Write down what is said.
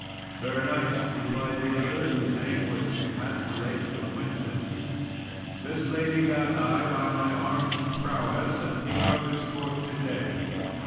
"Sir knight," replied the other, whose name was Hantzlake of Wentland, "this lady got I, by my arms and prowess, at King Arthur's court to day."